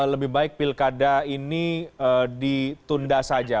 lebih baik pilkada ini ditunda saja